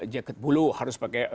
jaket bulu harus pakai